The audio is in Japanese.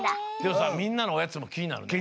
みんなのおやつもきになるね。